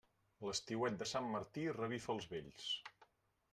L'estiuet de sant Martí revifa els vells.